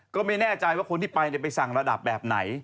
ก็ไม่แน่ใจว่าคนที่ไปไปสั่งระดับแบบไหน